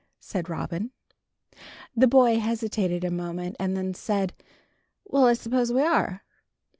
said Robin. The boy hesitated a moment and then said, "Well, I suppose we are."